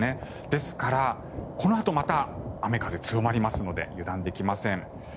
ですから、このあとまた雨、風が強まりますので油断できません。